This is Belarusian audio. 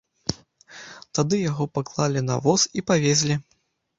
Тады яго паклалі на воз і павезлі.